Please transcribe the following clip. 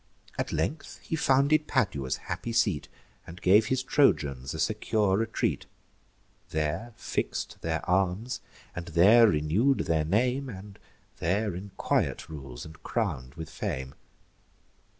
At length he founded Padua's happy seat, And gave his Trojans a secure retreat; There fix'd their arms, and there renew'd their name, And there in quiet rules, and crown'd with fame.